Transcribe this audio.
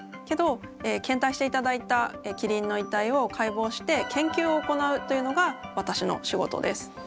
けど献体していただいたキリンの遺体を解剖して研究を行うというのが私の仕事です。